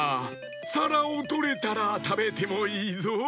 さらをとれたらたべてもいいぞ。